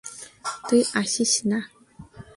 তুই আসিস না।